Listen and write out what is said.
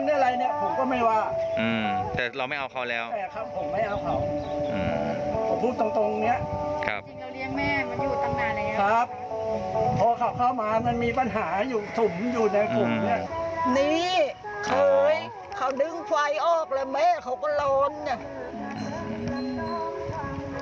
เนี่เภยสักอย่างเขาหนึ่งไฟออกแม่ของเขาก็โรนนี่